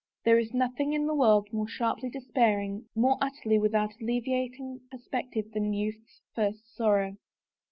There is nothing in the world more sharply despairing, more utterly without alleviating perspective than youth's first §orrow.